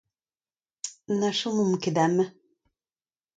Na chomomp ket amañ.